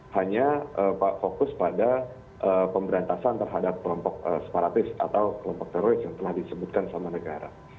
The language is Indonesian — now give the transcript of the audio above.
hanya fokus pada pemberantasan terhadap kelompok separatis atau kelompok teroris yang telah disebutkan sama negara